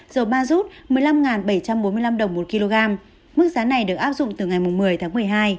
dầu ma rút một mươi năm bảy trăm bốn mươi năm đồng một kg mức giá này được áp dụng từ ngày một mươi tháng một mươi hai